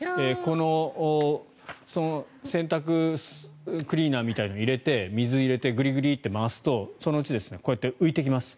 洗濯クリーナーみたいなのを入れて水を入れて、ぐりぐりと回すとそのうちこうやって浮いてきます。